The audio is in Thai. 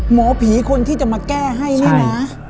หมอผีคนที่จะมาแก้ให้นี่นะ